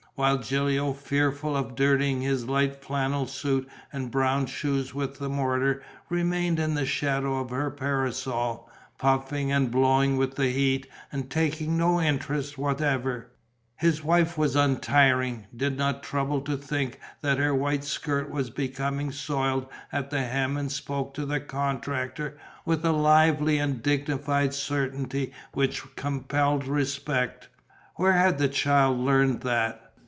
While Gilio, fearful of dirtying his light flannel suit and brown shoes with the mortar, remained in the shadow of her parasol, puffing and blowing with the heat and taking no interest whatever, his wife was untiring, did not trouble to think that her white skirt was becoming soiled at the hem and spoke to the contractor with a lively and dignified certainty which compelled respect. Where had the child learnt that?